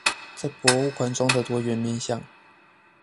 在博物館中的多元面向